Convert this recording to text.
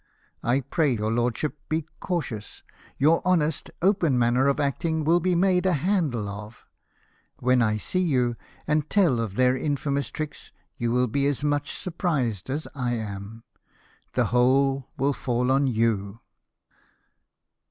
I pray your lordship be cautious ; your honest, open manner of acting will be made a handle of When I see you, and tell of their infamous tricks, you will be as much surprised as I am. The whole will fall on you."